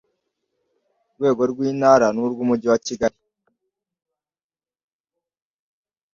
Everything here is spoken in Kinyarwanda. rwego rw Intara n urw Umujyi wa Kigali